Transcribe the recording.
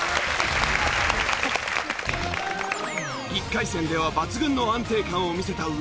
１回戦では抜群の安定感を見せた上田。